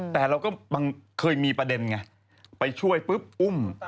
แต่เราก็เคยมีประเด็นไงไปช่วยปุ๊บอุ้ม